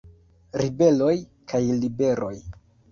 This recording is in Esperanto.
Ribeloj kaj Liberoj.